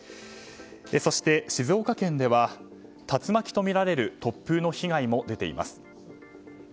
そして、静岡県では竜巻とみられる突風の被害も出ています。